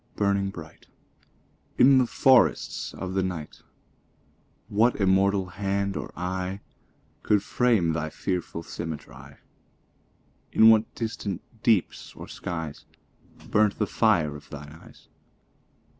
burning bright, In the forests of the night, What immortal hand or eye Could frame thy fearful symmetry? In what distant deeps or skies Burnt the fire of thine eyes?